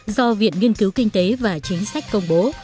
do viện nghiên cứu kinh tế và chính sách công bố